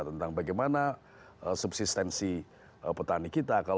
tentang bagaimana subsistensi petani kita